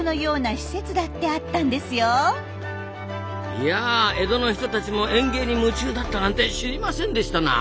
いや江戸の人たちも園芸に夢中だったなんて知りませんでしたなあ。